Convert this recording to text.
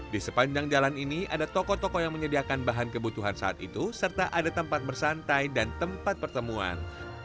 di sepanjang jalan ini ada toko toko yang menyediakan bahan kebutuhan saat itu serta ada tempat bersantai dan tempat pertemuan